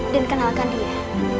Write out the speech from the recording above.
dan kenalkan dia